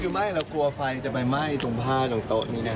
คือไหม้แล้วกลัวไฟจะไปไหม้ตรงผ้าตรงโต๊ะนี่นะครับ